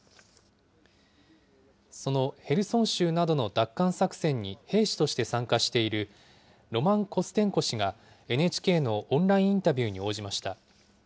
そのヘルソン州などの奪還作戦に兵士として参加しているロマン・コステンコ氏が、ＮＨＫのオンラインインタビューに応じました。